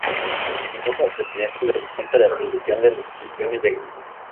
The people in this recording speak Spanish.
Continuó como presidente de la Junta de Apelación de las pensiones de guerra.